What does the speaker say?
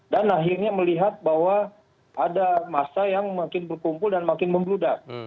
dan akhirnya melihat bahwa ada masa yang makin berkumpul dan makin membludak